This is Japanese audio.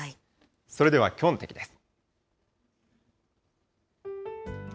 それではきょうの天気です。